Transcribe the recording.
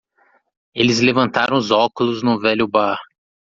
Eles levantaram os óculos no velho bar.